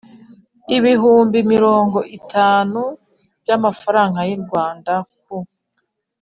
ibihumbi mirongo itanu Frw ku